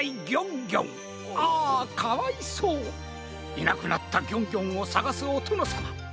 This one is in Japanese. いなくなったギョンギョンをさがすおとのさま。